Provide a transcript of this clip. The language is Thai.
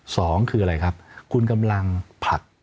สองคืออะไรครับคุณกำลังผลัก